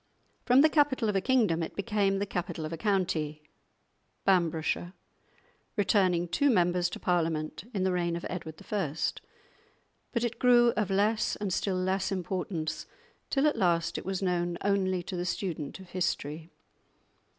From the capital of a kingdom it became the capital of a county (Bamburghshire), returning two members to Parliament in the reign of Edward I.; but it grew of less and still less importance, till at last it was known only to the student of history.